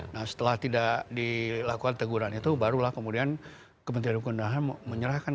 nah setelah tidak dilakukan teguran itu barulah kemudian kementerian hukum dan ham menyerahkan